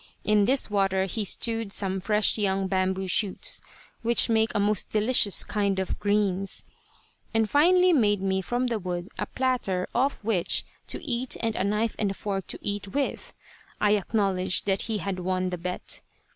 In this water he stewed some fresh young bamboo shoots, which make a most delicious kind of "greens," and finally made me from the wood a platter off which to eat and a knife and fork to eat with. I acknowledged that he had won the bet.